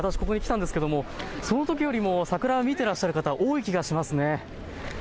ここに来たんですけれども、そのときよりも桜を見ていらっしゃる方が多い気がしますね。